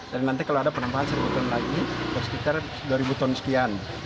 dan nanti kalau ada penambahan seribu ton lagi sekitar dua ribu ton sekian